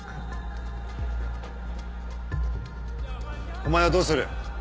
お前はどうする？